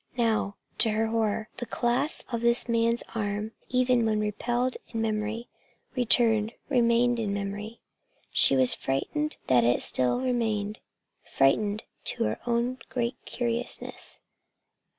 Now, to her horror, the clasp of this man's arm, even when repelled in memory, returned, remained in memory! She was frightened that it still remained frightened at her own great curiousness.